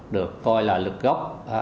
được coi là lực gốc